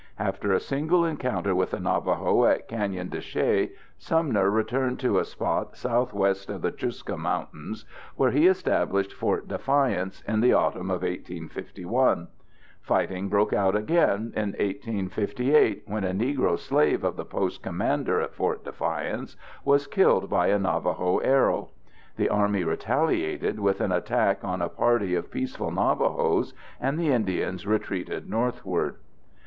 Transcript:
After a single encounter with the Navajo in Canyon de Chelly, Sumner returned to a spot southwest of the Chuska Mountains where he established Fort Defiance in the autumn of 1851. Fighting broke out again in 1858, when a Negro slave of the post commander at Fort Defiance was killed by a Navajo arrow. The Army retaliated with an attack on a party of peaceful Navajos, and the Indians retreated northward.